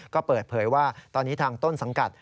ก็เปิดเผยว่าตอนนี้ทางต้นสังกัด